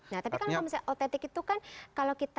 nah tapi kalau misalnya autentik itu kan kalau kita